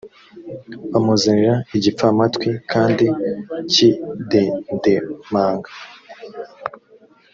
bamuzanira igipfamatwi kandi kidedemanga